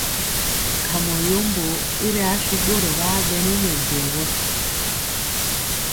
Kamɔ yombo i ri asu ɓorɔ ɓaa ɓɛ nɛ mɛjɛ gɔ.